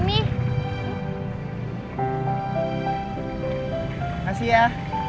terima kasih ya